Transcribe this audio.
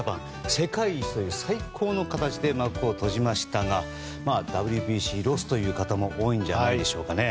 世界一という最高の形で幕を閉じましたがＷＢＣロスという方も多いんじゃないでしょうかね。